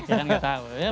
ya gak tau